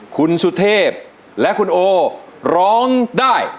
คุณสุเทพและคุณโอร้องได้